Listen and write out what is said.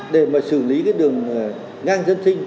để mà xử lý cái đường ngang dân sinh